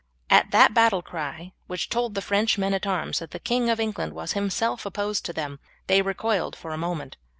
At that battle cry, which told the French men at arms that the King of England was himself opposed to them, they recoiled for a moment.